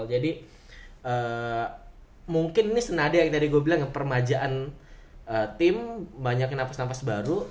jadi mungkin ini senadih yang tadi gue bilang ya permajaan tim banyaknya napas napas baru